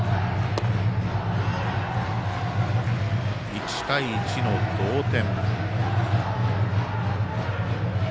１対１の同点。